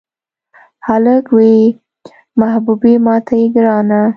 هلک ووې محبوبې ماته یې ګرانه.